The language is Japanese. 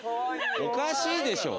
おかしいでしょ。